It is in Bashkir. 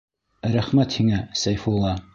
Рәхмәт һиңә, Сәйфулла.